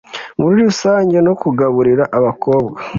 muri rusange no kugaburira abakobwa